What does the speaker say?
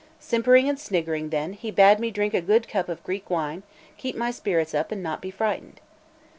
Simpering and sniggering, then, he bade me drink a good cup of Greek wine, keep my spirits up, and not be frightened.